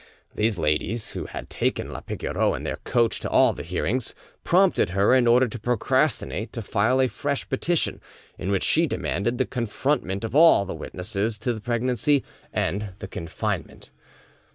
These ladies, who had taken la Pigoreau in their coach to all the hearings, prompted her, in order to procrastinate, to file a fresh petition, in which she demanded the confrontment of all the witnesses to the pregnancy, and the confinement.